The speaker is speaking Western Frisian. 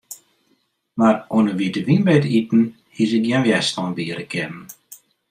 Mar oan 'e wite wyn by it iten hie se gjin wjerstân biede kinnen.